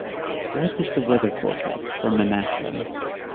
What is the weather forecast for Manassa?